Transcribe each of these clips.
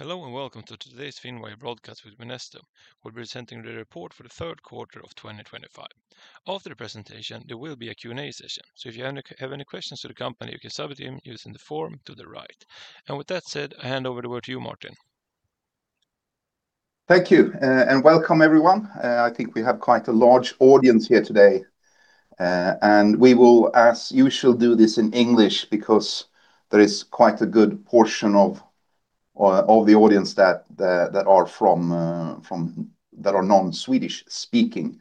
Hello and welcome to today's FinWire broadcast with Minesto. We are presenting the report for the third quarter of 2025. After the presentation, there will be a Q&A session. If you have any questions for the company, you can submit them using the form to the right. With that said, I hand over the word to you, Martin. Thank you, and welcome everyone. I think we have quite a large audience here today, and we will do this in English because there is quite a good portion of the audience that are non-Swedish speaking.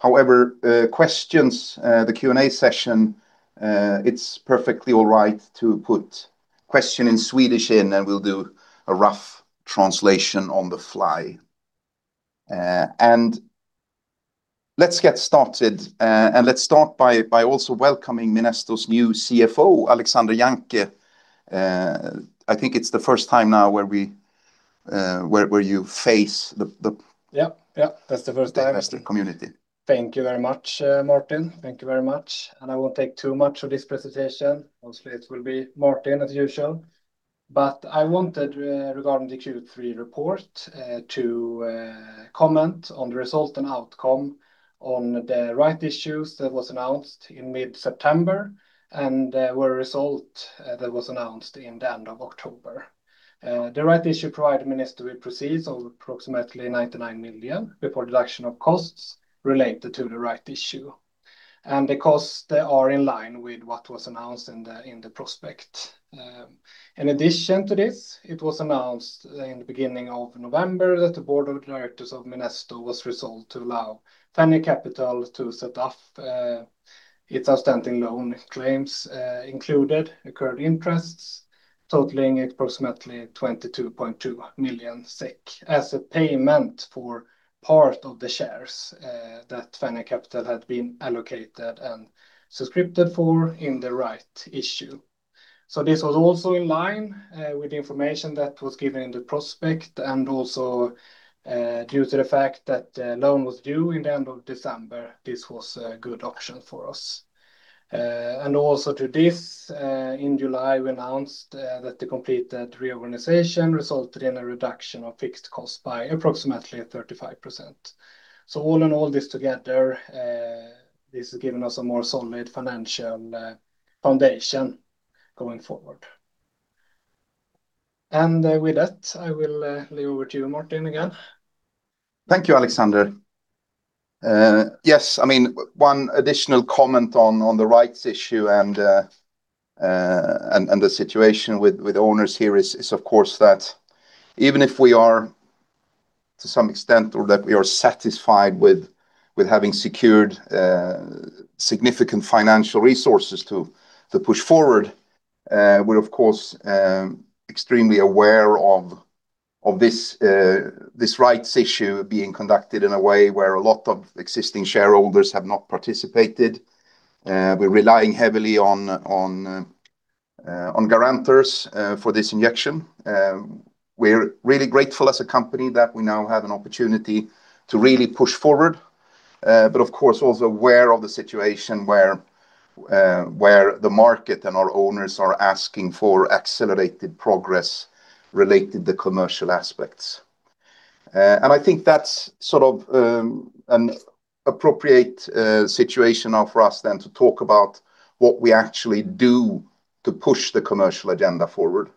However, for questions, the Q&A session, it's perfectly all right to put a question in Swedish, and we'll do a rough translation on the fly. Let's get started, and let's start by also welcoming Minesto's new CFO, Alexander Jancke. I think it's the first time now where you face the. Yes, yes, that's the first time. The investor community. Thank you very much, Martin. Thank you very much. I will not take too much of this presentation. Hopefully, it will be Martin as usual. I wanted, regarding the Q3 report, to comment on the result and outcome on the rights issue that was announced in mid-September and the result that was announced at the end of October. The rights issue provided Minesto with proceeds of approximately 99 million before deduction of costs related to the rights issue. The costs are in line with what was announced in the prospect. In addition to this, it was announced in the beginning of November that the board of directors of Minesto was resolved to allow Fenney Capital to set up its outstanding loan claims included, incurred interests, totaling approximately 22.2 million SEK as a payment for part of the shares that Fenney Capital had been allocated and subscripted for in the right issue. This was also in line with the information that was given in the prospect, and also due to the fact that the loan was due in the end of December, this was a good option for us. Also to this, in July, we announced that the completed reorganization resulted in a reduction of fixed costs by approximately 35%. All in all, this together, this has given us a more solid financial foundation going forward. With that, I will leave over to you, Martin, again. Thank you, Alexander. Yes, I mean, one additional comment on the rights issue and the situation with owners here is, of course, that even if we are to some extent, or that we are satisfied with having secured significant financial resources to push forward, we're of course extremely aware of this rights issue being conducted in a way where a lot of existing shareholders have not participated. We're relying heavily on guarantors for this injection. We're really grateful as a company that we now have an opportunity to really push forward, but of course also aware of the situation where the market and our owners are asking for accelerated progress related to the commercial aspects. I think that's sort of an appropriate situation now for us then to talk about what we actually do to push the commercial agenda forward.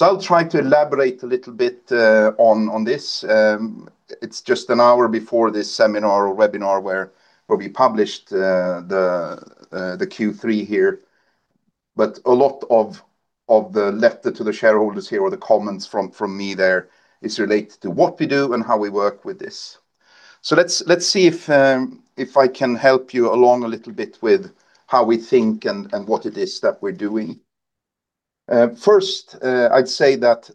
I'll try to elaborate a little bit on this. It's just an hour before this seminar or webinar where we published the Q3 here, but a lot of the letter to the shareholders here or the comments from me there is related to what we do and how we work with this. Let's see if I can help you along a little bit with how we think and what it is that we're doing. First, I'd say that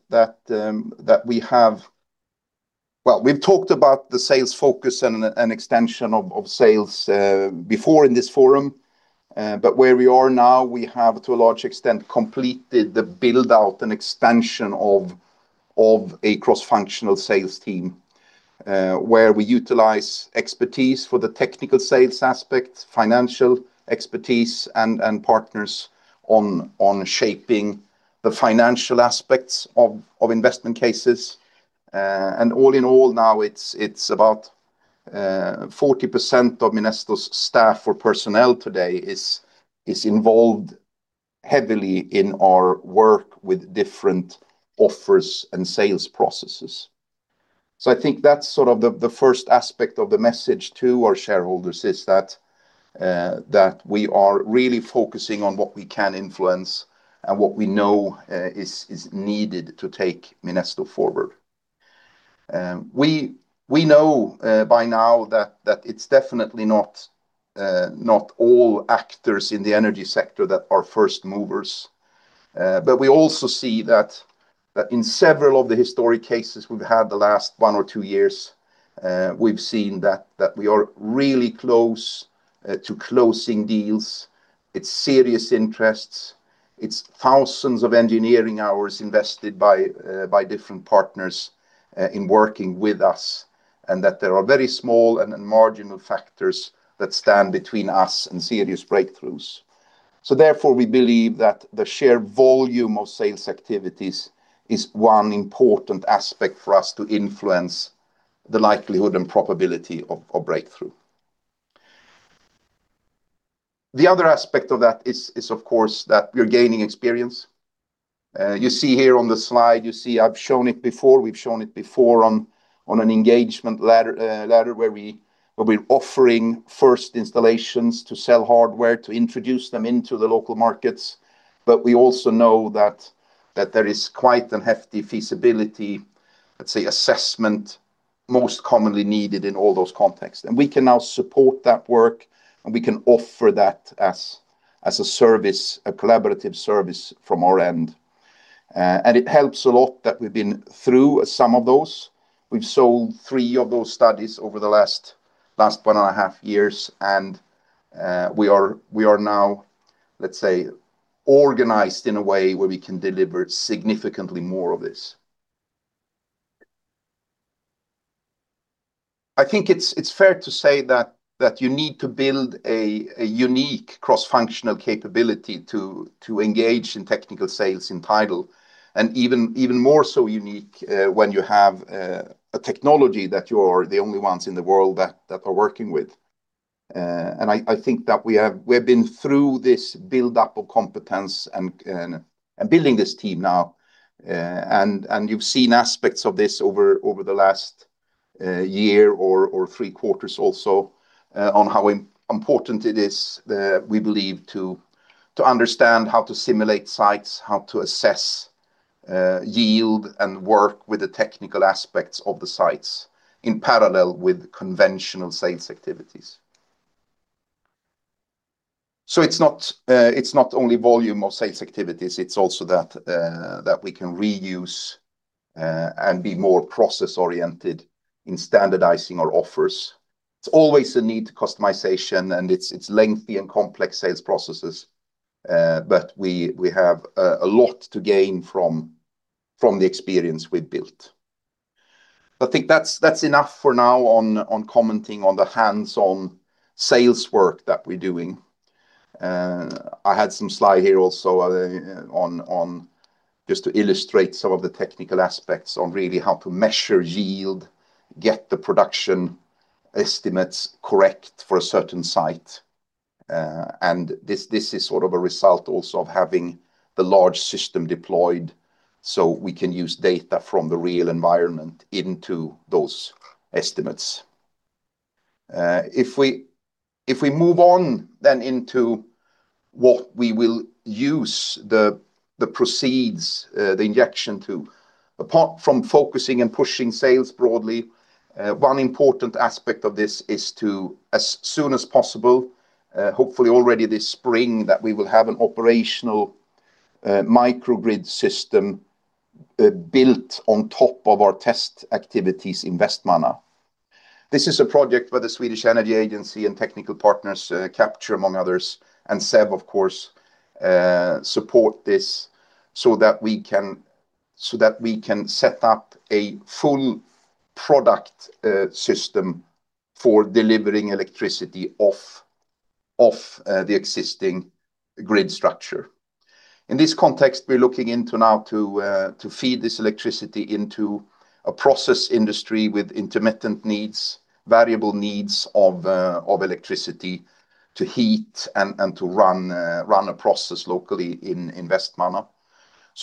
we have, well, we've talked about the sales focus and an extension of sales before in this forum, but where we are now, we have to a large extent completed the build-out and expansion of a cross-functional sales team where we utilize expertise for the technical sales aspect, financial expertise, and partners on shaping the financial aspects of investment cases. All in all, now it's about 40% of Minesto's staff or personnel today is involved heavily in our work with different offers and sales processes. I think that's sort of the first aspect of the message to our shareholders is that we are really focusing on what we can influence and what we know is needed to take Minesto forward. We know by now that it's definitely not all actors in the energy sector that are first movers, but we also see that in several of the historic cases we've had the last one or two years, we've seen that we are really close to closing deals. It's serious interests. It's thousands of engineering hours invested by different partners in working with us, and that there are very small and marginal factors that stand between us and serious breakthroughs. Therefore, we believe that the share volume of sales activities is one important aspect for us to influence the likelihood and probability of breakthrough. The other aspect of that is, of course, that we're gaining experience. You see here on the slide, you see I've shown it before. We've shown it before on an engagement ladder where we're offering first installations to sell hardware to introduce them into the local markets, but we also know that there is quite a hefty feasibility, let's say, assessment most commonly needed in all those contexts. We can now support that work, and we can offer that as a service, a collaborative service from our end. It helps a lot that we've been through some of those. We've sold three of those studies over the last one and a half years, and we are now, let's say, organized in a way where we can deliver significantly more of this. I think it's fair to say that you need to build a unique cross-functional capability to engage in technical sales in tidal, and even more so unique when you have a technology that you are the only ones in the world that are working with. I think that we have been through this build-up of competence and building this team now, and you've seen aspects of this over the last year or three quarters also on how important it is, we believe, to understand how to simulate sites, how to assess yield, and work with the technical aspects of the sites in parallel with conventional sales activities. It is not only volume of sales activities, it is also that we can reuse and be more process-oriented in standardizing our offers. There is always a need to customization, and it is lengthy and complex sales processes, but we have a lot to gain from the experience we have built. I think that is enough for now on commenting on the hands-on sales work that we are doing. I had some slides here also just to illustrate some of the technical aspects on really how to measure yield, get the production estimates correct for a certain site. This is sort of a result also of having the large system deployed so we can use data from the real environment into those estimates. If we move on then into what we will use the proceeds, the injection to, apart from focusing and pushing sales broadly, one important aspect of this is to, as soon as possible, hopefully already this spring, that we will have an operational microgrid system built on top of our test activities in Vestmanna. This is a project where the Swedish Energy Agency and technical partners Capture, among others, and SEB, of course, support this so that we can set up a full product system for delivering electricity off the existing grid structure. In this context, we're looking into now to feed this electricity into a process industry with intermittent needs, variable needs of electricity to heat and to run a process locally in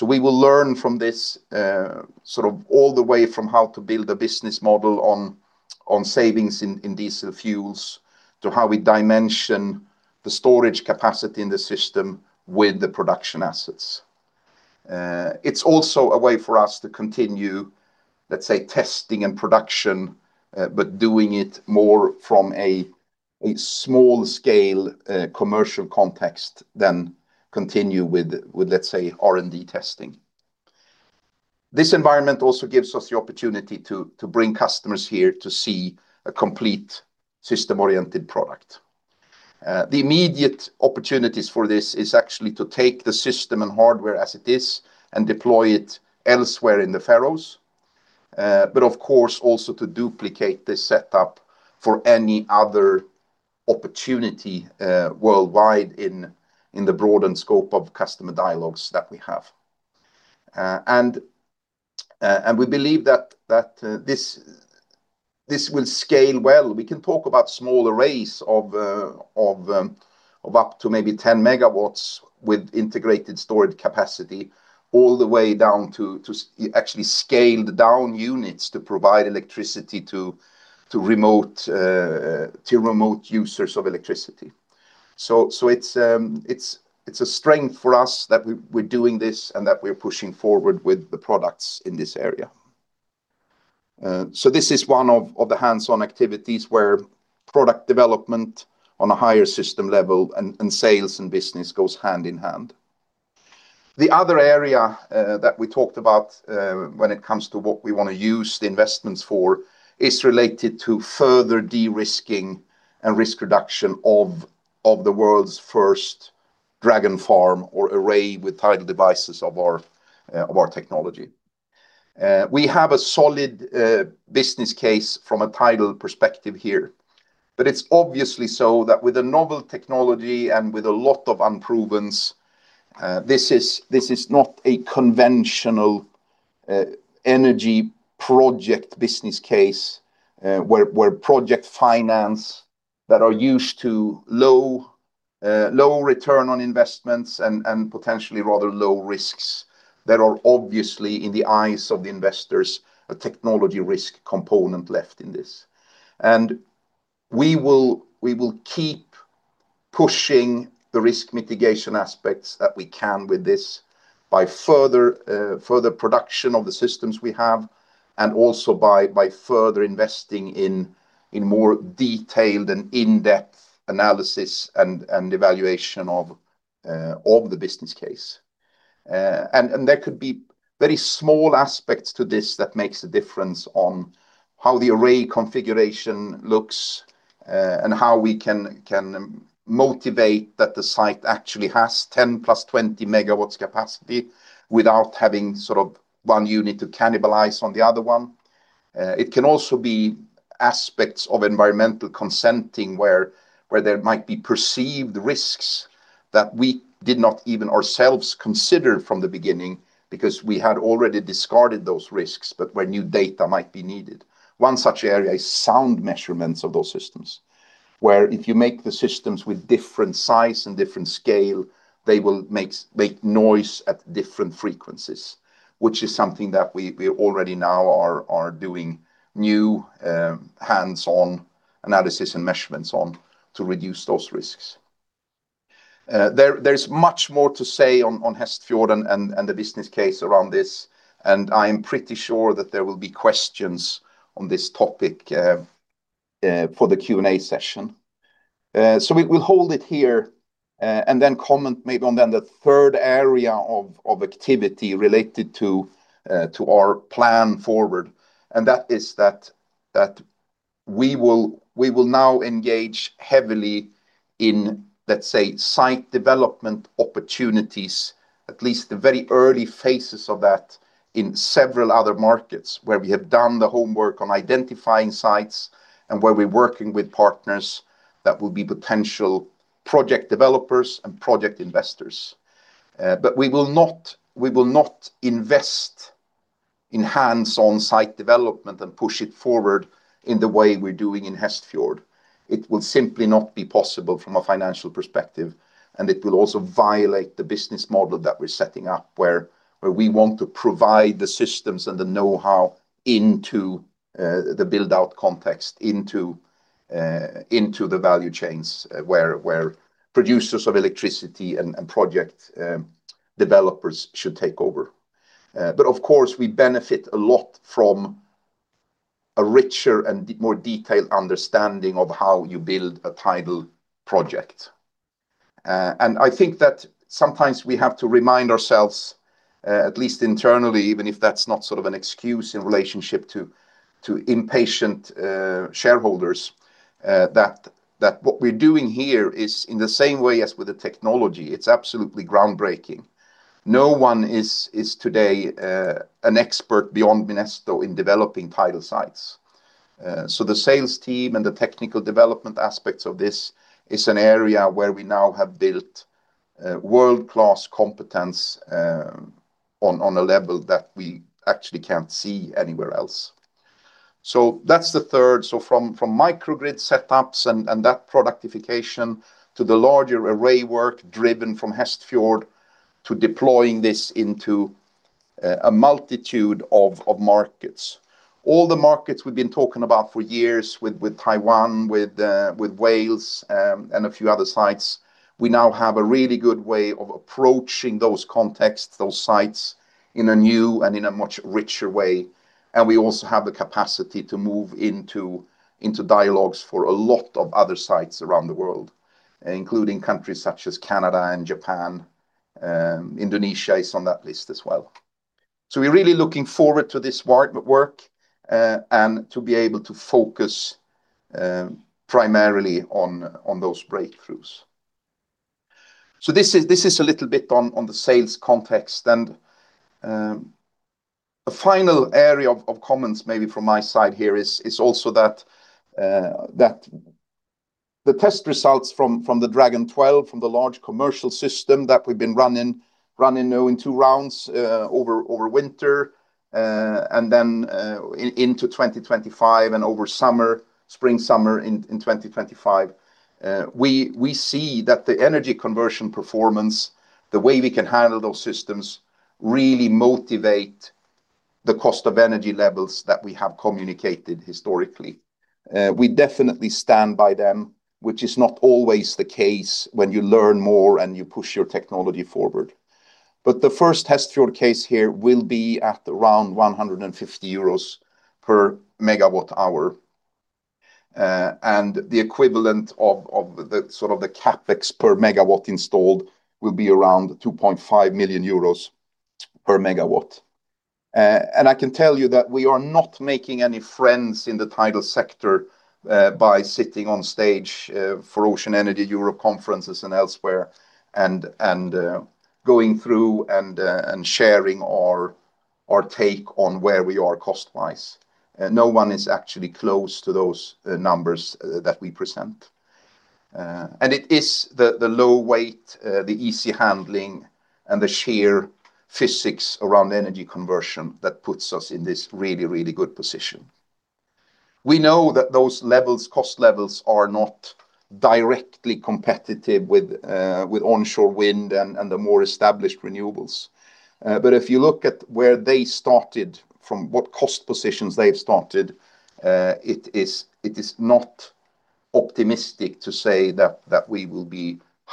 Vestmanna. We will learn from this sort of all the way from how to build a business model on savings in diesel fuels to how we dimension the storage capacity in the system with the production assets. It's also a way for us to continue, let's say, testing and production, but doing it more from a small-scale commercial context than continue with, let's say, R&D testing. This environment also gives us the opportunity to bring customers here to see a complete system-oriented product. The immediate opportunities for this is actually to take the system and hardware as it is and deploy it elsewhere in the Faroes, but of course also to duplicate this setup for any other opportunity worldwide in the broadened scope of customer dialogues that we have. We believe that this will scale well. We can talk about small arrays of up to maybe 10 megawatts with integrated storage capacity all the way down to actually scaled down units to provide electricity to remote users of electricity. It is a strength for us that we're doing this and that we're pushing forward with the products in this area. This is one of the hands-on activities where product development on a higher system level and sales and business goes hand in hand. The other area that we talked about when it comes to what we want to use the investments for is related to further de-risking and risk reduction of the world's first Dragon farm or array with tidal devices of our technology. We have a solid business case from a tidal perspective here, but it's obviously so that with a novel technology and with a lot of unprovenance, this is not a conventional energy project business case where project finance that are used to low return on investments and potentially rather low risks that are obviously in the eyes of the investors, a technology risk component left in this. We will keep pushing the risk mitigation aspects that we can with this by further production of the systems we have and also by further investing in more detailed and in-depth analysis and evaluation of the business case. There could be very small aspects to this that make a difference on how the array configuration looks and how we can motivate that the site actually has 10+20 megawatts capacity without having sort of one unit to cannibalize on the other one. It can also be aspects of environmental consenting where there might be perceived risks that we did not even ourselves consider from the beginning because we had already discarded those risks, but where new data might be needed. One such area is sound measurements of those systems where if you make the systems with different size and different scale, they will make noise at different frequencies, which is something that we already now are doing new hands-on analysis and measurements on to reduce those risks. is much more to say on Hestfjord and the business case around this, and I am pretty sure that there will be questions on this topic for the Q&A session. We will hold it here and then comment maybe on the third area of activity related to our plan forward, and that is that we will now engage heavily in, let's say, site development opportunities, at least the very early phases of that in several other markets where we have done the homework on identifying sites and where we are working with partners that will be potential project developers and project investors. We will not invest in hands-on site development and push it forward in the way we are doing in Hestfjord. It will simply not be possible from a financial perspective, and it will also violate the business model that we're setting up where we want to provide the systems and the know-how into the build-out context, into the value chains where producers of electricity and project developers should take over. Of course, we benefit a lot from a richer and more detailed understanding of how you build a tidal project. I think that sometimes we have to remind ourselves, at least internally, even if that's not sort of an excuse in relationship to impatient shareholders, that what we're doing here is in the same way as with the technology, it's absolutely groundbreaking. No one is today an expert beyond Minesto in developing tidal sites. The sales team and the technical development aspects of this is an area where we now have built world-class competence on a level that we actually can't see anywhere else. That is the third. From microgrid setups and that productification to the larger array work driven from Hestfjord to deploying this into a multitude of markets. All the markets we've been talking about for years with Taiwan, with Wales, and a few other sites, we now have a really good way of approaching those contexts, those sites in a new and in a much richer way. We also have the capacity to move into dialogues for a lot of other sites around the world, including countries such as Canada and Japan. Indonesia is on that list as well. We are really looking forward to this work and to be able to focus primarily on those breakthroughs. This is a little bit on the sales context. A final area of comments maybe from my side here is also that the test results from the Dragon 12, from the large commercial system that we've been running now in two rounds over winter and then into 2025 and over spring-summer in 2025, we see that the energy conversion performance, the way we can handle those systems, really motivate the cost of energy levels that we have communicated historically. We definitely stand by them, which is not always the case when you learn more and you push your technology forward. The first Hestfjord case here will be at around 150 euros per megawatt hour. The equivalent of sort of the CapEx per megawatt installed will be around 2.5 million euros per megawatt. I can tell you that we are not making any friends in the tidal sector by sitting on stage for Ocean Energy Europe conferences and elsewhere and going through and sharing our take on where we are cost-wise. No one is actually close to those numbers that we present. It is the low weight, the easy handling, and the sheer physics around energy conversion that puts us in this really, really good position. We know that those cost levels are not directly competitive with onshore wind and the more established renewables. If you look at where they s a sheer cost comparison. This is a strength that we now need to turn into ctarted, from what cost positions they have started, it is not optimistic to say that we will be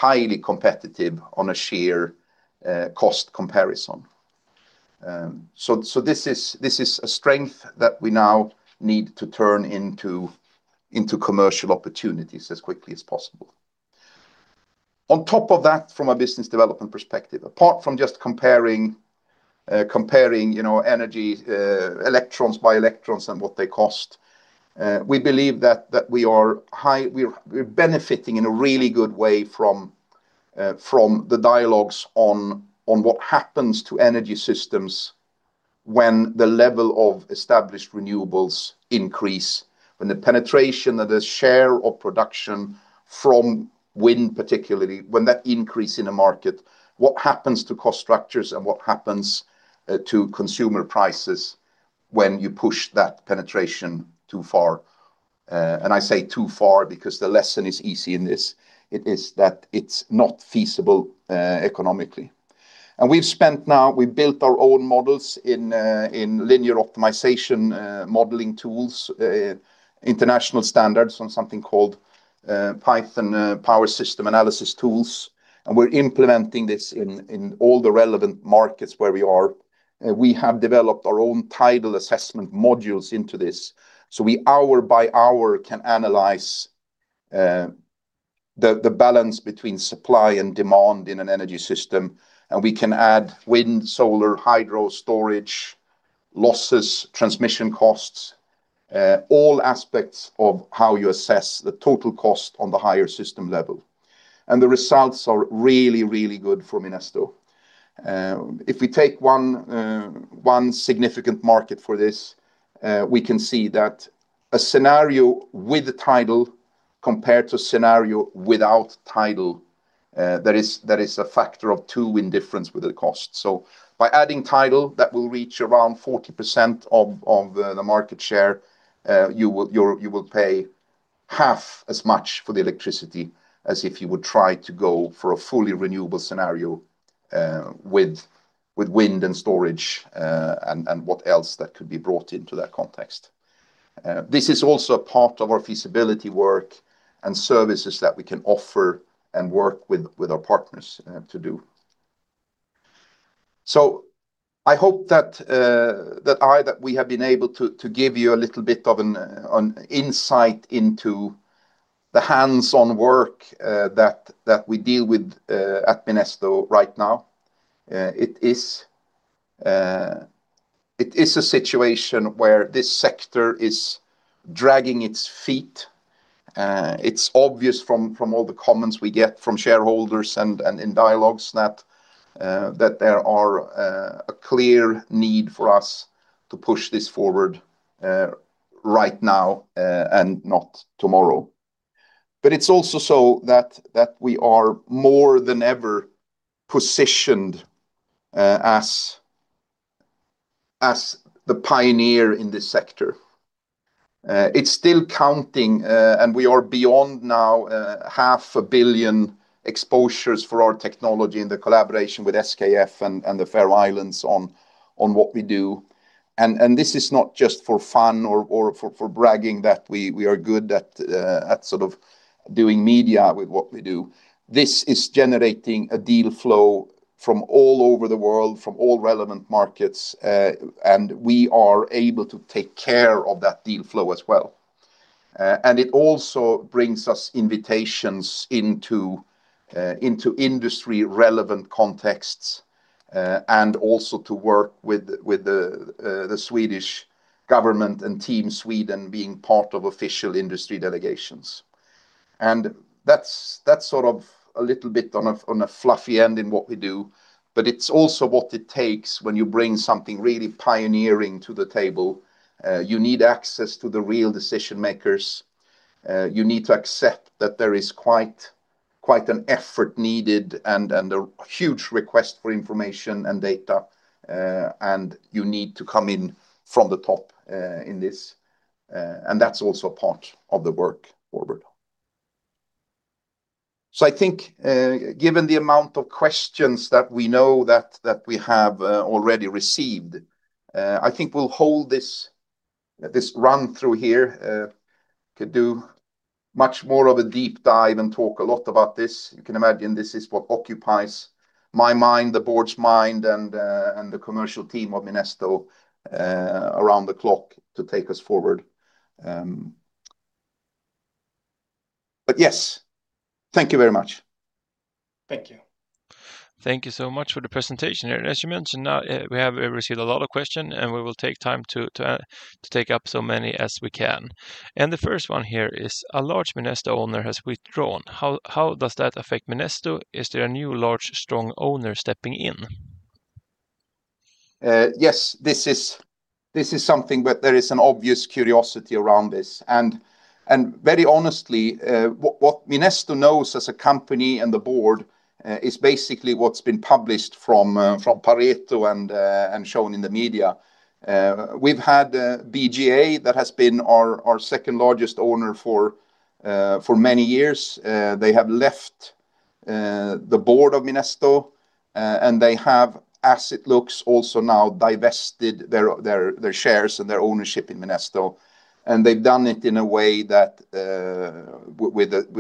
highly competitive onommercial opportunities as quickly as possible. On top of that, from a business development perspective, apart from just comparing electrons by electrons and what they cost, we believe that we are benefiting in a really good way from the dialogues on what happens to energy systems when the level of established renewables increase, when the penetration of the share of production from wind, particularly, when that increase in a market, what happens to cost structures and what happens to consumer prices when you push that penetration too far. I say too far because the lesson is easy in this. It is that it's not feasible economically. We've spent now, we've built our own models in linear optimization modeling tools, international standards on something called Python Power System Analysis Tools. We're implementing this in all the relevant markets where we are. We have developed our own tidal assessment modules into this. We hour by hour can analyze the balance between supply and demand in an energy system. We can add wind, solar, hydro, storage, losses, transmission costs, all aspects of how you assess the total cost on the higher system level. The results are really, really good for Minesto. If we take one significant market for this, we can see that a scenario with tidal compared to a scenario without tidal, there is a factor of two in difference with the cost. By adding tidal, that will reach around 40% of the market share. You will pay half as much for the electricity as if you would try to go for a fully renewable scenario with wind and storage and what else that could be brought into that context. This is also a part of our feasibility work and services that we can offer and work with our partners to do. I hope that we have been able to give you a little bit of an insight into the hands-on work that we deal with at Minesto right now. It is a situation where this sector is dragging its feet. It's obvious from all the comments we get from shareholders and in dialogues that there is a clear need for us to push this forward right now and not tomorrow. It's also so that we are more than ever positioned as the pioneer in this sector. It's still counting, and we are beyond now $500,000,000 exposures for our technology in the collaboration with SKF and the Faroe Islands on what we do. This is not just for fun or for bragging that we are good at sort of doing media with what we do. This is generating a deal flow from all over the world, from all relevant markets, and we are able to take care of that deal flow as well. It also brings us invitations into industry-relevant contexts and also to work with the Swedish government and Team Sweden being part of official industry delegations. That is sort of a little bit on a fluffy end in what we do, but it is also what it takes when you bring something really pioneering to the table. You need access to the real decision-makers. You need to accept that there is quite an effort needed and a huge request for information and data, and you need to come in from the top in this. That is also part of the work forward. I think, given the amount of questions that we know that we have already received, I think we'll hold this run-through here. We could do much more of a deep dive and talk a lot about this. You can imagine this is what occupies my mind, the board's mind, and the commercial team of Minesto around the clock to take us forward. Yes, thank you very much. Thank you. Thank you so much for the presentation. As you mentioned, we have received a lot of questions, and we will take time to take up as many as we can. The first one here is, a large Minesto owner has withdrawn. How does that affect Minesto? Is there a new large, strong owner stepping in? Yes, this is something where there is an obvious curiosity around this. Very honestly, what Minesto knows as a company and the board is basically what's been published from Pareto and shown in the media. We've had BGA that has been our second largest owner for many years. They have left the board of Minesto, and they have, as it looks, also now divested their shares and their ownership in Minesto. They've done it in a way with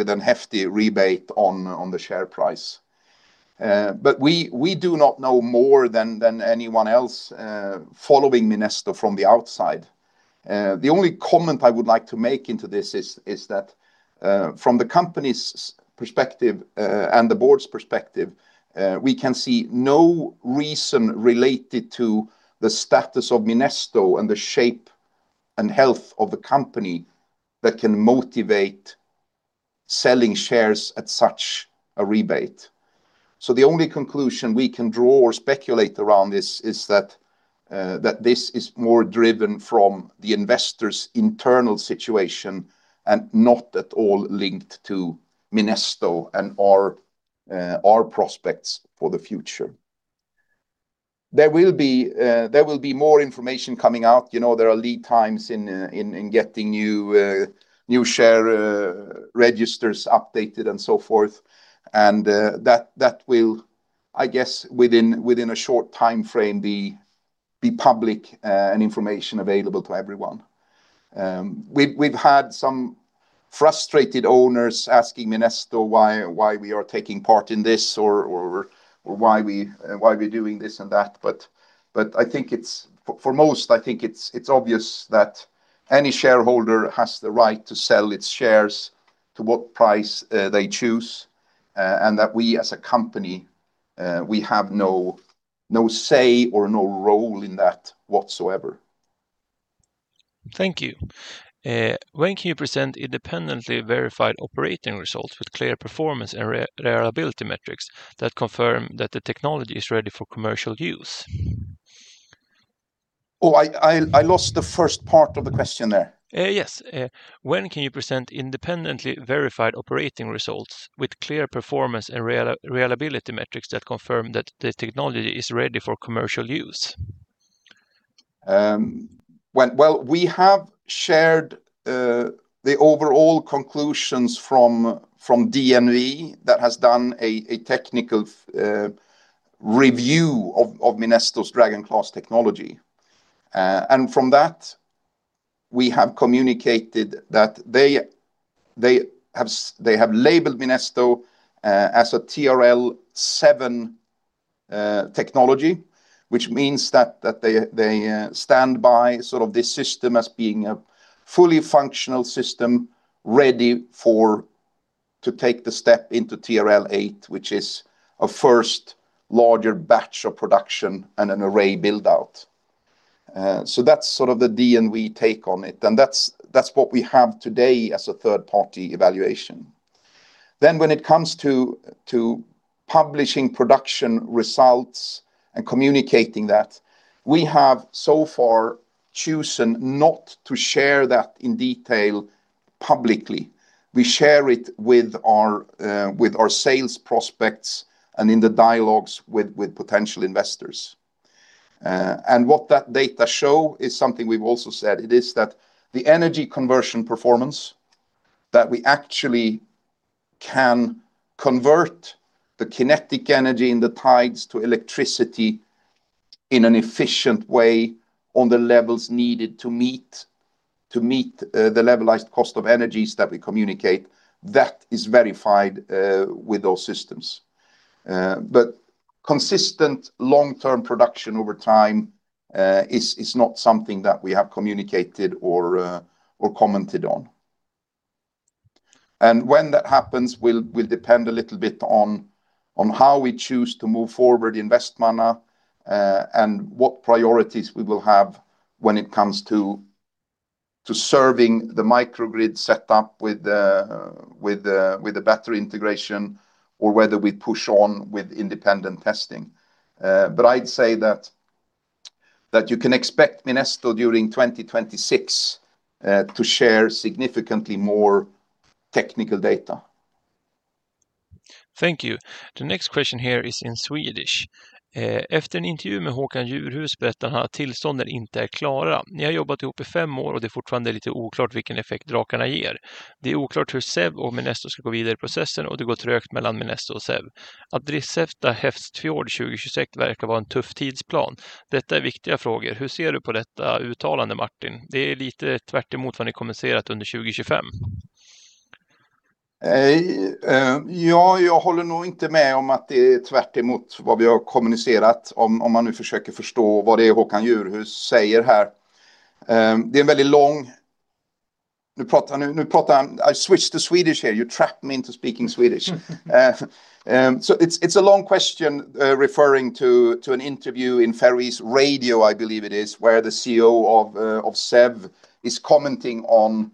a hefty rebate on the share price. We do not know more than anyone else following Minesto from the outside. The only comment I would like to make into this is that from the company's perspective and the board's perspective, we can see no reason related to the status of Minesto and the shape and health of the company that can motivate selling shares at such a rebate. The only conclusion we can draw or speculate around this is that this is more driven from the investor's internal situation and not at all linked to Minesto and our prospects for the future. There will be more information coming out. There are lead times in getting new share registers updated and so forth. That will, I guess, within a short timeframe, be public and information available to everyone. We've had some frustrated owners asking Minesto why we are taking part in this or why we're doing this and that. I think for most, I think it's obvious that any shareholder has the right to sell its shares to what price they choose and that we, as a company, we have no say or no role in that whatsoever. Thank you. When can you present independently verified operating results with clear performance and reliability metrics that confirm that the technology is ready for commercial use? Oh, I lost the first part of the question there. Yes. When can you present independently verified operating results with clear performance and reliability metrics that confirm that the technology is ready for commercial use? We have shared the overall conclusions from DNV that has done a technical review of Minesto's Dragon Class technology. From that, we have communicated that they have labeled Minesto as a TRL 7 technology, which means that they stand by sort of this system as being a fully functional system ready to take the step into TRL 8, which is a first larger batch of production and an array build-out. That is sort of the DNV take on it. That is what we have today as a third-party evaluation. When it comes to publishing production results and communicating that, we have so far chosen not to share that in detail publicly. We share it with our sales prospects and in the dialogues with potential investors. What that data shows is something we've also said. It is that the energy conversion performance, that we actually can convert the kinetic energy in the tides to electricity in an efficient way on the levels needed to meet the levelized cost of energy that we communicate, that is verified with those systems. Consistent long-term production over time is not something that we have communicated or commented on. When that happens, it will depend a little bit on how we choose to move forward, Vestmanna, and what priorities we will have when it comes to serving the microgrid setup with a better integration or whether we push on with independent testing. I'd say that you can expect Minesto during 2026 to share significantly more technical data. Thank you. The next question here is in Swedish. Efter en intervju med Håkan Djurhus berättar han att tillstånden inte är klara. Ni har jobbat ihop i fem år, och det är fortfarande lite oklart vilken effekt drakarna ger. Det är oklart hur SEV och Minesto ska gå vidare i processen, och det går trögt mellan Minesto och SEV. Att drissefta Hästfjord 2026 verkar vara en tuff tidsplan. Detta är viktiga frågor. Hur ser du på detta uttalande, Martin? Det är lite tvärtemot vad ni kommunicerat under 2025. Ja, jag håller nog inte med om att det är tvärtemot vad vi har kommunicerat, om man nu försöker förstå vad det är Håkan Djurhus säger här. Det är en väldigt lång... Nu pratar han... Switch to Swedish here. You trapped me into speaking Swedish. It's a long question referring to an interview in Ferries Radio, I believe it is, where the CEO of SEV is commenting on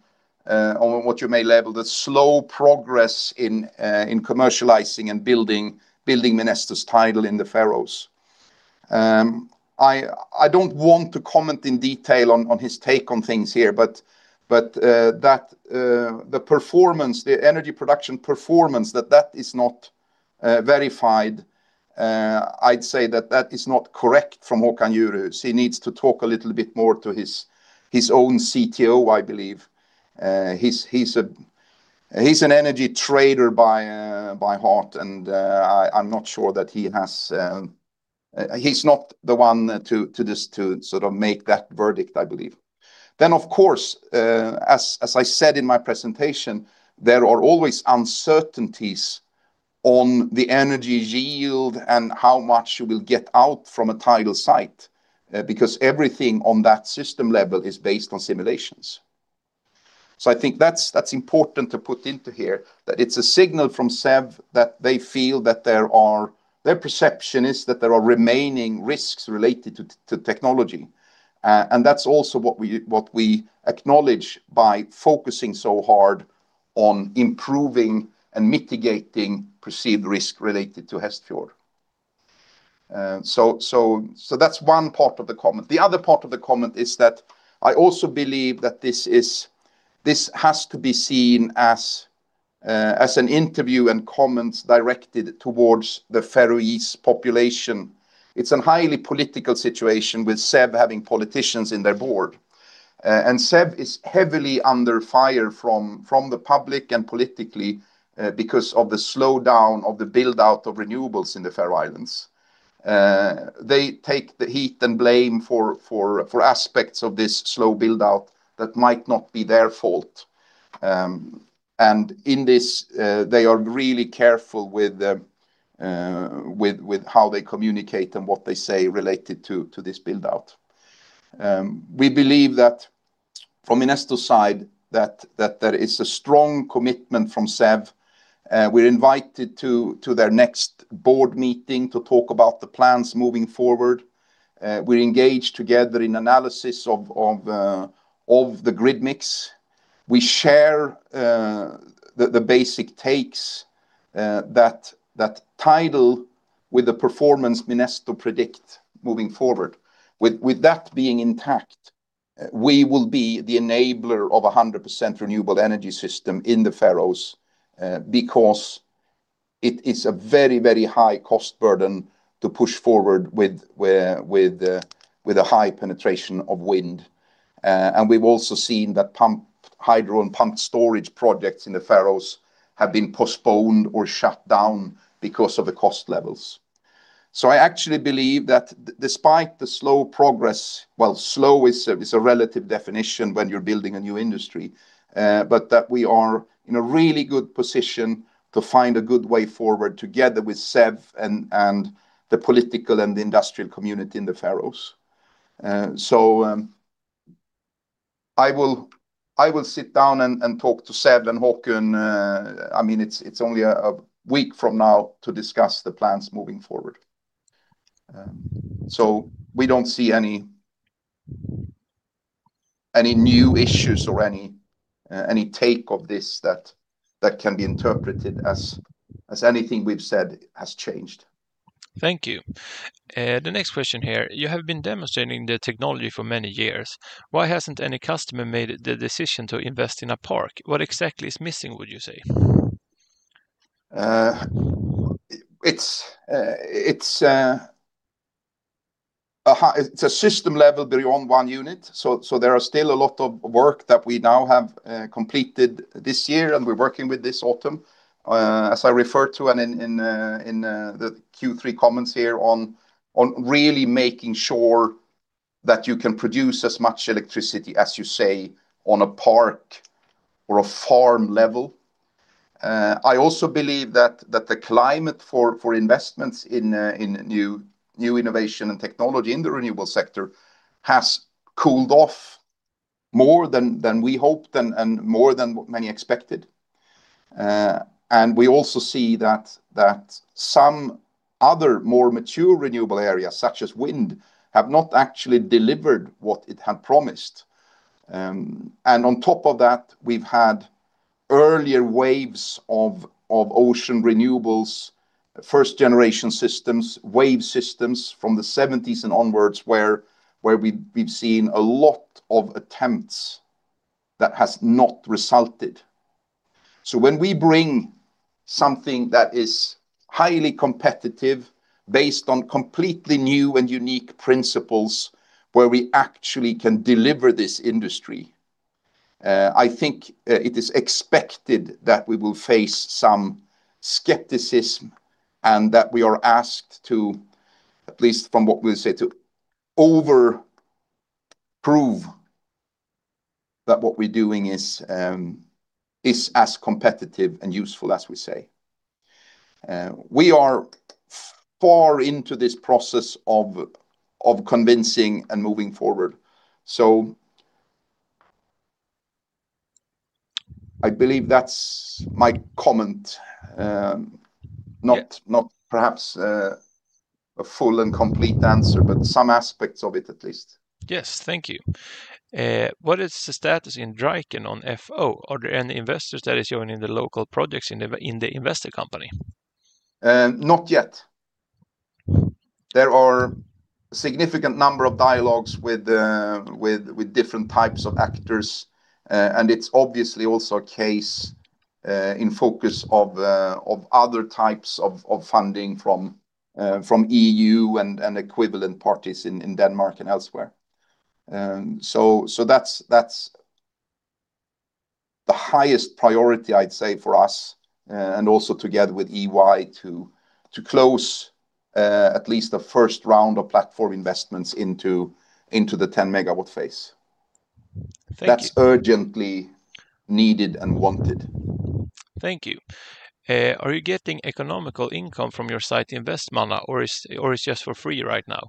what you may label the slow progress in commercializing and building Minesto's tidal in the Faroes. I don't want to comment in detail on his take on things here, but the performance, the energy production performance, that that is not verified. I'd say that that is not correct from Håkan Djurhus. He needs to talk a little bit more to his own CTO, I believe. He's an energy trader by heart, and I'm not sure that he has... He's not the one to sort of make that verdict, I believe. As I said in my presentation, there are always uncertainties on the energy yield and how much you will get out from a tidal site because everything on that system level is based on simulations. I think that's important to put into here, that it's a signal from SEV that they feel that their perception is that there are remaining risks related to technology. That's also what we acknowledge by focusing so hard on improving and mitigating perceived risk related to Hestfjord. That's one part of the comment. The other part of the comment is that I also believe that this has to be seen as an interview and comments directed towards the Faroese population. It's a highly political situation with SEV having politicians in their board. SEV is heavily under fire from the public and politically because of the slowdown of the build-out of renewables in the Faroe Islands. They take the heat and blame for aspects of this slow build-out that might not be their fault. In this, they are really careful with how they communicate and what they say related to this build-out. We believe that from Minesto's side, there is a strong commitment from SEV. We're invited to their next board meeting to talk about the plans moving forward. We're engaged together in analysis of the grid mix. We share the basic takes that tidal with the performance Minesto predicts moving forward. With that being intact, we will be the enabler of a 100% renewable energy system in the Faroes because it is a very, very high cost burden to push forward with a high penetration of wind. We have also seen that hydro and pump storage projects in the Faroes have been postponed or shut down because of the cost levels. I actually believe that despite the slow progress—slow is a relative definition when you are building a new industry—we are in a really good position to find a good way forward together with SEV and the political and industrial community in the Faroes. I will sit down and talk to SEV and Håkan. I mean, it is only a week from now to discuss the plans moving forward. We do not see any new issues or any take of this that can be interpreted as anything we have said has changed. Thank you. The next question here. You have been demonstrating the technology for many years. Why has not any customer made the decision to invest in a park? What exactly is missing, would you say? It's a system level beyond one unit. There is still a lot of work that we now have completed this year and we're working with this autumn, as I referred to in the Q3 comments here on really making sure that you can produce as much electricity as you say on a park or a farm level. I also believe that the climate for investments in new innovation and technology in the renewable sector has cooled off more than we hoped and more than many expected. We also see that some other more mature renewable areas, such as wind, have not actually delivered what it had promised. On top of that, we've had earlier waves of ocean renewables, first-generation systems, wave systems from the 1970s and onwards where we've seen a lot of attempts that have not resulted. When we bring something that is highly competitive based on completely new and unique principles where we actually can deliver this industry, I think it is expected that we will face some skepticism and that we are asked to, at least from what we'll say, to overprove that what we're doing is as competitive and useful as we say. We are far into this process of convincing and moving forward. I believe that's my comment. Not perhaps a full and complete answer, but some aspects of it at least. Yes, thank you. What is the status in Dragon on FO? Are there any investors that are joining the local projects in the investor company? Not yet. There are a significant number of dialogues with different types of actors. It is obviously also a case in focus of other types of funding from the EU and equivalent parties in Denmark and elsewhere. That is the highest priority, I'd say, for us and also together with EY to close at least the first round of platform investments into the 10-megawatt phase. That is urgently needed and wanted. Thank you. Are you getting economical income from your site in Vestmanna, or is it just for free right now?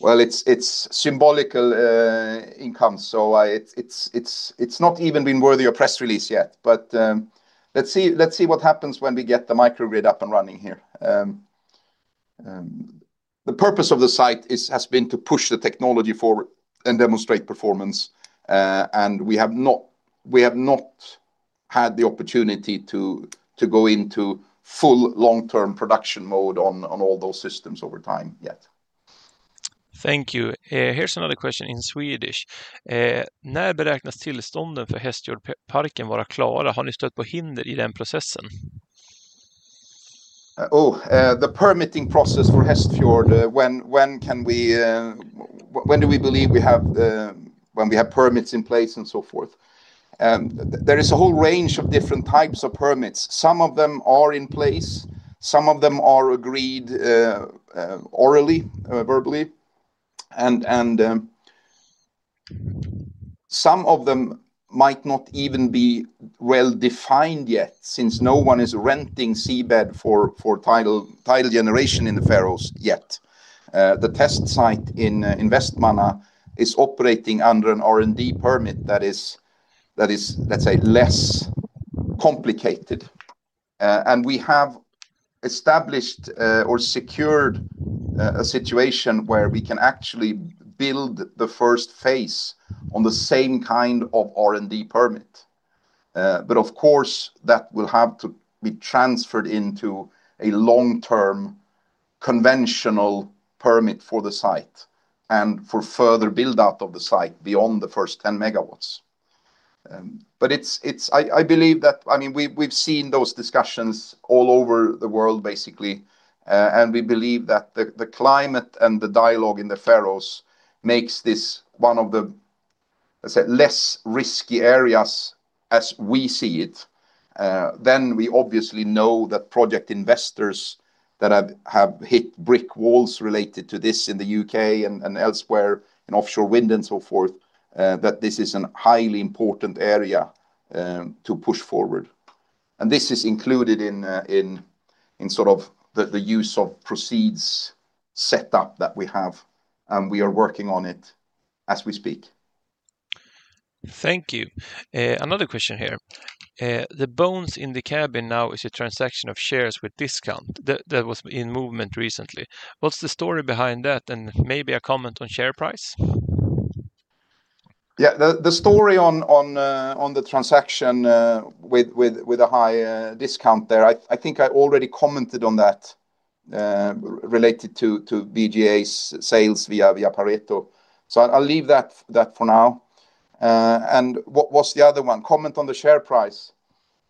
It is symbolical income, so it has not even been worthy of press release yet. Let's see what happens when we get the microgrid up and running here. The purpose of the site has been to push the technology forward and demonstrate performance. We have not had the opportunity to go into full long-term production mode on all those systems over time yet. Thank you. Here is another question in Swedish. När beräknas tillstånden för Hästfjordparken vara klara? Har ni stött på hinder i den processen? Oh, the permitting process for Hestfjord, when do we believe we have permits in place and so forth? There is a whole range of different types of permits. Some of them are in place. Some of them are agreed orally, verbally. Some of them might not even be well defined yet since no one is renting seabed for tidal generation in the Faroe Islands yet. The test site in Vestmanna is operating under an R&D permit that is, let's say, less complicated. We have established or secured a situation where we can actually build the first phase on the same kind of R&D permit. Of course, that will have to be transferred into a long-term conventional permit for the site and for further build-out of the site beyond the first 10 megawatts. I believe that, I mean, we've seen those discussions all over the world, basically. We believe that the climate and the dialogue in the Faroes makes this one of the less risky areas as we see it. We obviously know that project investors that have hit brick walls related to this in the U.K., and elsewhere in offshore wind and so forth, that this is a highly important area to push forward. This is included in sort of the use of proceeds setup that we have. We are working on it as we speak. Thank you. Another question here. The bones in the cabin now is a transaction of shares with discount that was in movement recently. What's the story behind that and maybe a comment on share price? Yeah, the story on the transaction with a high discount there, I think I already commented on that related to BGA's sales via Pareto. I will leave that for now. What was the other one? Comment on the share price.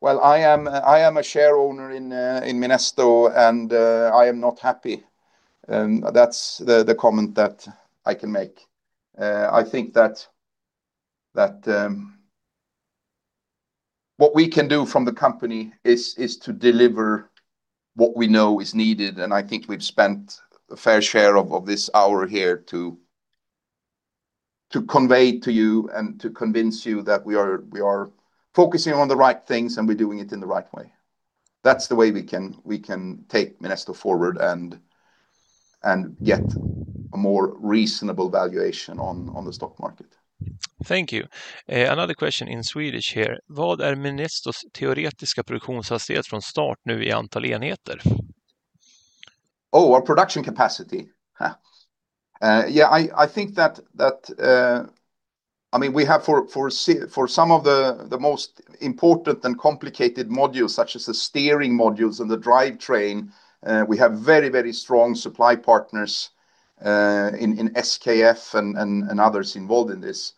I am a shareholder in Minesto, and I am not happy. That is the comment that I can make. I think that what we can do from the company is to deliver what we know is needed. I think we have spent a fair share of this hour here to convey to you and to convince you that we are focusing on the right things and we are doing it in the right way. That is the way we can take Minesto forward and get a more reasonable valuation on the stock market. Thank you. Another question in Swedish here. Vad är Minestos teoretiska produktionshastighet från start nu i antal enheter? Oh, our production capacity. Yeah, I think that, I mean, we have for some of the most important and complicated modules, such as the steering modules and the drive train, we have very, very strong supply partners in SKF and others involved in this.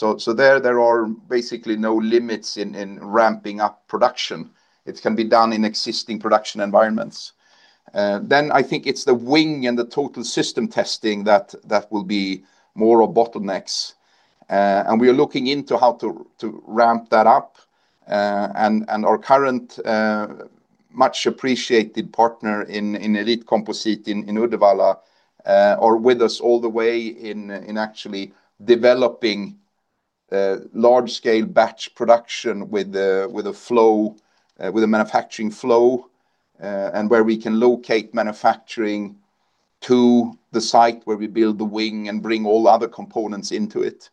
There are basically no limits in ramping up production. It can be done in existing production environments. I think it's the wing and the total system testing that will be more of bottlenecks. We are looking into how to ramp that up. Our current much appreciated partner in Elite Composite in Uddevalla are with us all the way in actually developing large-scale batch production with a flow, with a manufacturing flow, and where we can locate manufacturing to the site where we build the wing and bring all other components into it.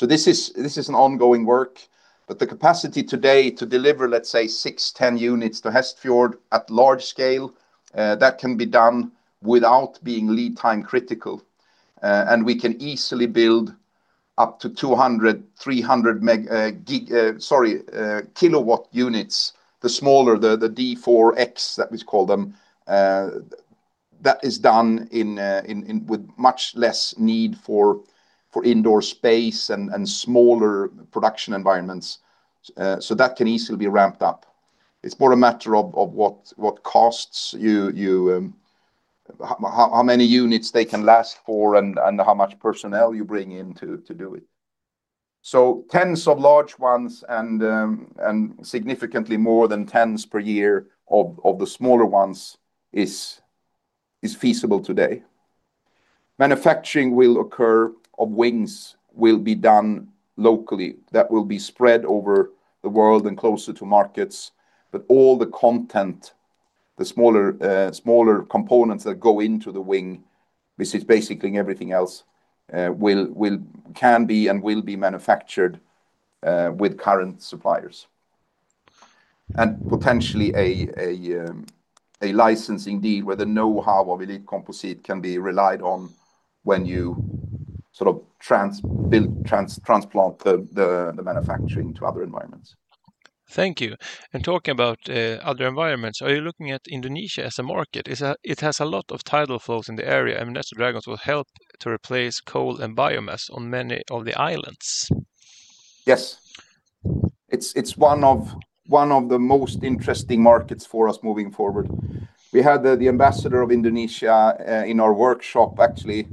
This is an ongoing work. The capacity today to deliver, let's say, 6, 10 units to Hestfjord at large scale, that can be done without being lead time critical. We can easily build up to 200, 300 kilowatt units, the smaller, the D4X that we call them, that is done with much less need for indoor space and smaller production environments. That can easily be ramped up. It's more a matter of what costs, how many units they can last for, and how much personnel you bring in to do it. Tens of large ones and significantly more than tens per year of the smaller ones is feasible today. Manufacturing will occur of wings will be done locally. That will be spread over the world and closer to markets. All the content, the smaller components that go into the wing, which is basically everything else, can be and will be manufactured with current suppliers. Potentially a licensing deal where the know-how of Elite Composite can be relied on when you sort of transplant the manufacturing to other environments. Thank you. Talking about other environments, are you looking at Indonesia as a market? It has a lot of tidal flows in the area. I mean, natural dragons will help to replace coal and biomass on many of the islands. Yes. It is one of the most interesting markets for us moving forward. We had the ambassador of Indonesia in our workshop, actually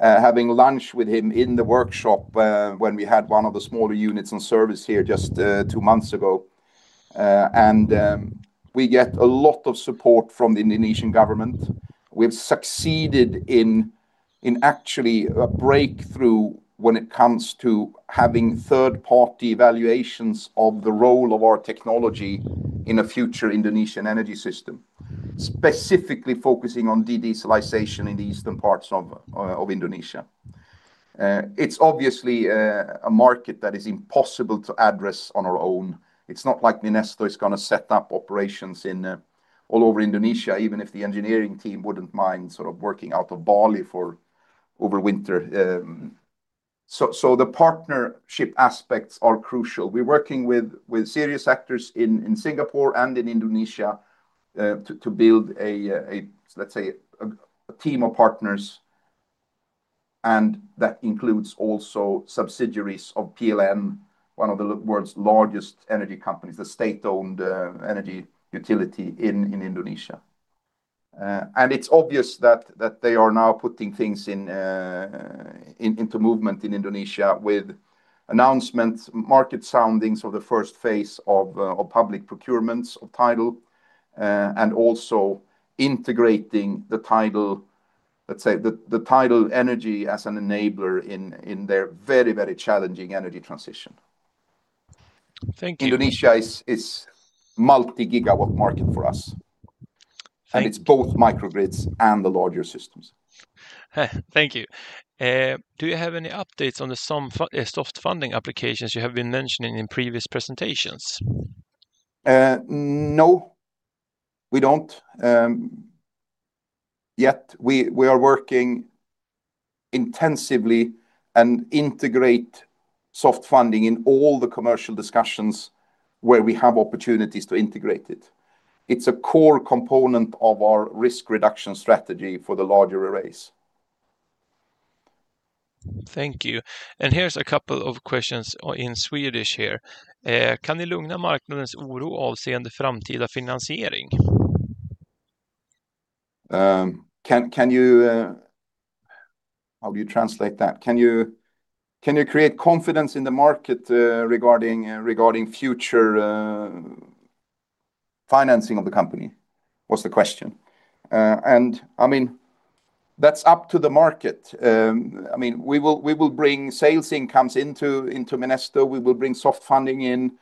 having lunch with him in the workshop when we had one of the smaller units on service here just two months ago. We get a lot of support from the Indonesian government. We've succeeded in actually a breakthrough when it comes to having third-party evaluations of the role of our technology in a future Indonesian energy system, specifically focusing on de-desalization in the eastern parts of Indonesia. It's obviously a market that is impossible to address on our own. It's not like Minesto is going to set up operations all over Indonesia, even if the engineering team wouldn't mind sort of working out of Bali for overwinter. The partnership aspects are crucial. We're working with serious actors in Singapore and in Indonesia to build a, let's say, a team of partners. That includes also subsidiaries of PLN, one of the world's largest energy companies, the state-owned energy utility in Indonesia. It is obvious that they are now putting things into movement in Indonesia with announcements, market soundings of the first phase of public procurements of tidal, and also integrating the tidal, let's say, the tidal energy as an enabler in their very, very challenging energy transition. Thank you. Indonesia is a multi-gigawatt market for us. It is both microgrids and the larger systems. Thank you. Do you have any updates on the soft funding applications you have been mentioning in previous presentations? No. We do not. Yet we are working intensively and integrate soft funding in all the commercial discussions where we have opportunities to integrate it. It is a core component of our risk reduction strategy for the larger arrays. Thank you. Here is a couple of questions in Swedish here. Kan ni lugna marknadens oro avseende framtida finansiering? How do you translate that? Can you create confidence in the market regarding future financing of the company? Was the question. I mean, that's up to the market. I mean, we will bring sales incomes into Minesto. We will bring soft funding in.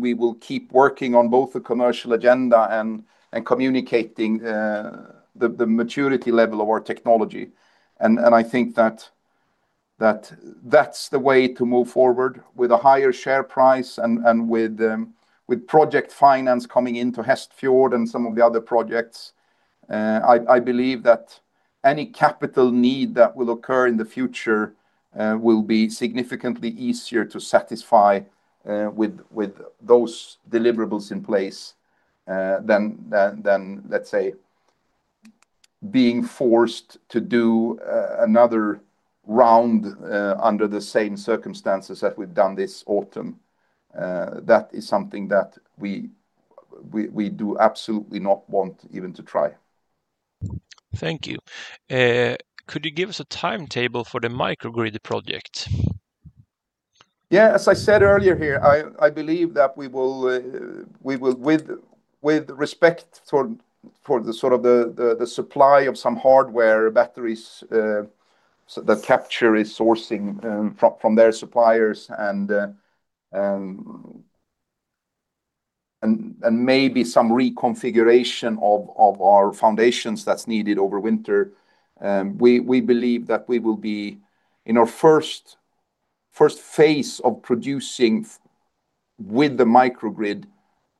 We will keep working on both the commercial agenda and communicating the maturity level of our technology. I think that that's the way to move forward with a higher share price and with project finance coming into Hestfjord and some of the other projects. I believe that any capital need that will occur in the future will be significantly easier to satisfy with those deliverables in place than, let's say, being forced to do another round under the same circumstances that we've done this autumn. That is something that we do absolutely not want even to try. Thank you. Could you give us a timetable for the microgrid project? Yeah, as I said earlier here, I believe that we will, with respect for the sort of the supply of some hardware batteries that Capture is sourcing from their suppliers and maybe some reconfiguration of our foundations that's needed over winter. We believe that we will be in our first phase of producing with the microgrid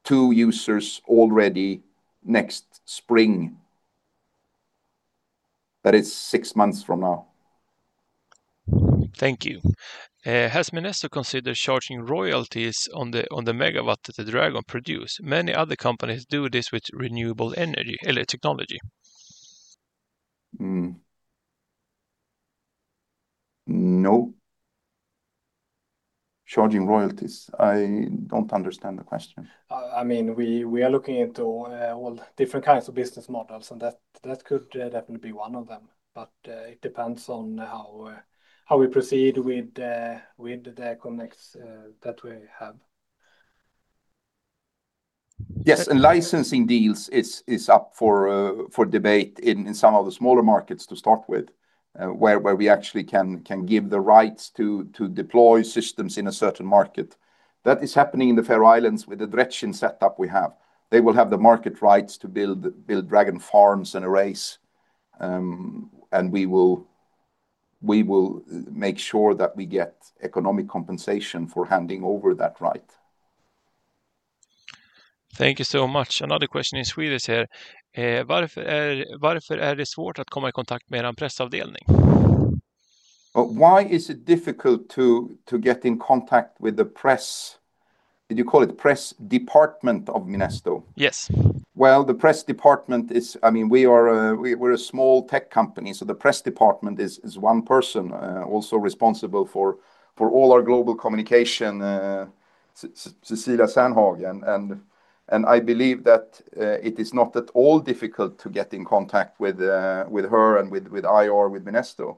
to users already next spring. That is six months from now. Thank you. Has Minesto considered charging royalties on the megawatt that the Dragon produces? Many other companies do this with renewable energy technology. No. Charging royalties. I don't understand the question. I mean, we are looking into all different kinds of business models, and that could definitely be one of them. It depends on how we proceed with the connects that we have. Yes, and licensing deals is up for debate in some of the smaller markets to start with, where we actually can give the rights to deploy systems in a certain market. That is happening in the Faroe Islands with the Dragon setup we have. They will have the market rights to build Dragon farms and arrays. We will make sure that we get economic compensation for handing over that right. Thank you so much. Another question in Swedish here. Varför är det svårt att komma i kontakt med pressavdelning? Why is it difficult to get in contact with the press? Did you call it the press department of Minesto? Yes. The press department is, I mean, we are a small tech company. The press department is one person also responsible for all our global communication, Cecilia Sandhagen. I believe that it is not at all difficult to get in contact with her and with IR with Minesto.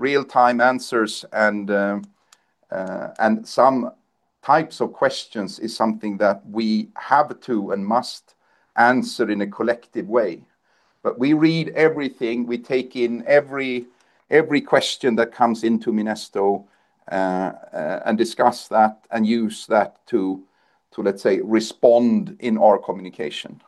Real-time answers and some types of questions is something that we have to and must answer in a collective way. We read everything. We take in every question that comes into Minesto and discuss that and use that to, let's say, respond in our communication.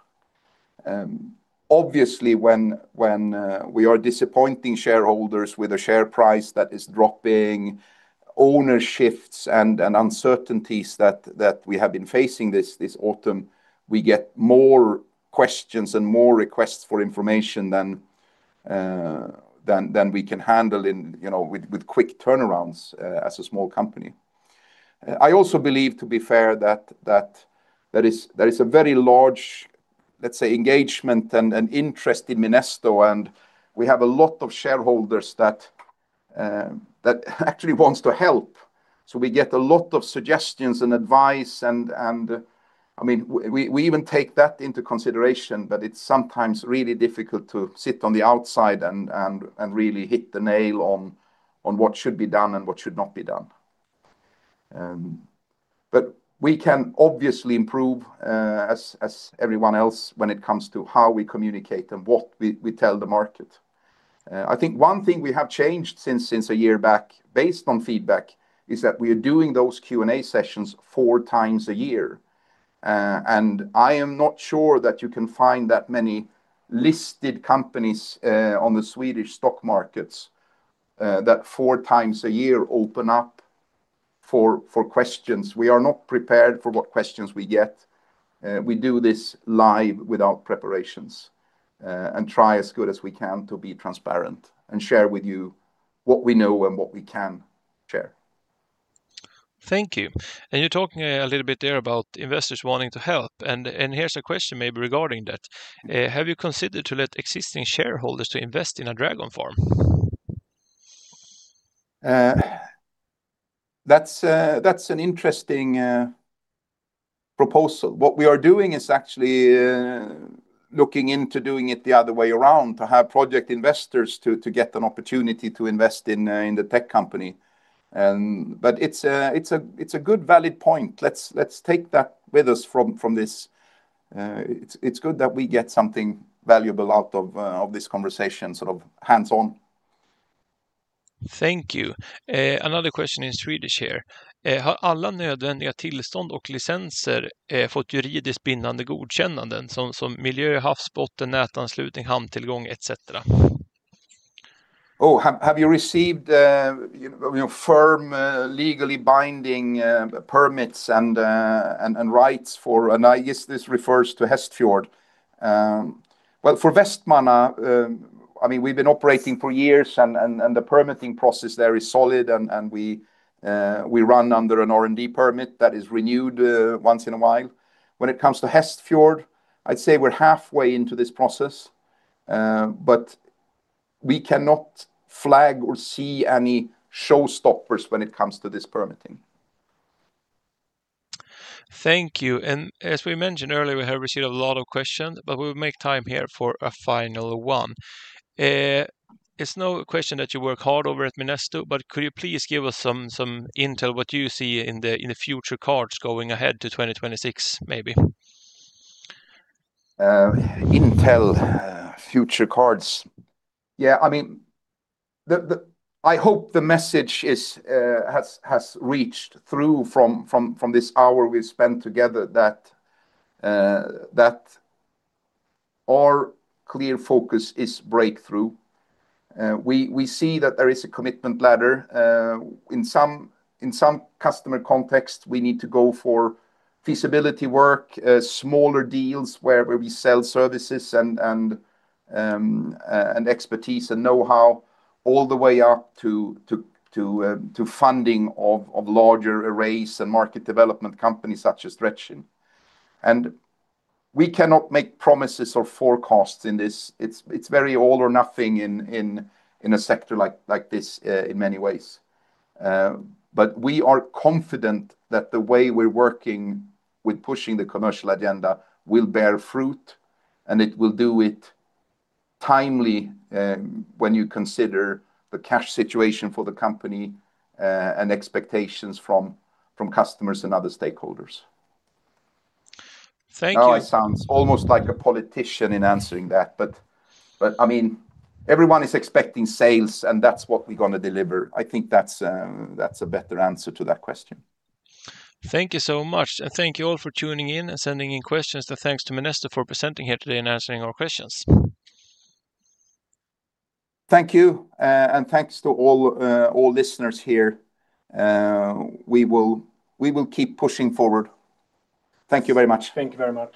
Obviously, when we are disappointing shareholders with a share price that is dropping, owner shifts and uncertainties that we have been facing this autumn, we get more questions and more requests for information than we can handle with quick turnarounds as a small company. I also believe, to be fair, that there is a very large, let's say, engagement and interest in Minesto. We have a lot of shareholders that actually want to help. We get a lot of suggestions and advice. I mean, we even take that into consideration. It is sometimes really difficult to sit on the outside and really hit the nail on what should be done and what should not be done. We can obviously improve as everyone else when it comes to how we communicate and what we tell the market. I think one thing we have changed since a year back, based on feedback, is that we are doing those Q&A sessions four times a year. I am not sure that you can find that many listed companies on the Swedish stock markets that four times a year open up for questions. We are not prepared for what questions we get. We do this live without preparations and try as good as we can to be transparent and share with you what we know and what we can share. Thank you. You are talking a little bit there about investors wanting to help. Here is a question maybe regarding that. Have you considered to let existing shareholders to invest in a Dragon farm? That is an interesting proposal. What we are doing is actually looking into doing it the other way around to have project investors get an opportunity to invest in the tech company. It is a good valid point. Let us take that with us from this. It is good that we get something valuable out of this conversation, sort of hands-on. Thank you. Another question in Swedish here. Har alla nödvändiga tillstånd och licenser fått juridiskt bindande godkännanden som miljö, havsbottennät, anslutning, hamntillgång, etc.? Oh, have you received firm legally binding permits and rights for, and I guess this refers to Hestfjord? For Vestmanna, I mean, we've been operating for years and the permitting process there is solid and we run under an R&D permit that is renewed once in a while. When it comes to Hestfjord, I'd say we're halfway into this process. We cannot flag or see any showstoppers when it comes to this permitting. Thank you. As we mentioned earlier, we have received a lot of questions, but we will make time here for a final one. It's no question that you work hard over at Minesto, but could you please give us some intel of what you see in the future cards going ahead to 2026, maybe? Intel, future cards. Yeah, I mean, I hope the message has reached through from this hour we've spent together that our clear focus is breakthrough. We see that there is a commitment ladder. In some customer contexts, we need to go for feasibility work, smaller deals where we sell services and expertise and know-how all the way up to funding of larger arrays and market development companies such as Dretchin. We cannot make promises or forecasts in this. It's very all or nothing in a sector like this in many ways. We are confident that the way we're working with pushing the commercial agenda will bear fruit. It will do it timely when you consider the cash situation for the company and expectations from customers and other stakeholders. Thank you. Now it sounds almost like a politician in answering that. I mean, everyone is expecting sales and that's what we're going to deliver. I think that's a better answer to that question. Thank you so much. Thank you all for tuning in and sending in questions. Thanks to Minesto for presenting here today and answering our questions. Thank you. Thanks to all listeners here. We will keep pushing forward. Thank you very much. Thank you very much.